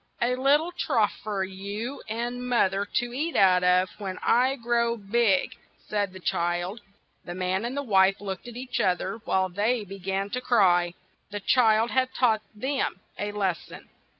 "A lit tle trough for you and moth er to eat out of when I grow big," said the child. The man and wife looked at each oth er a while and then be gan to cry. The child had taught them a les son.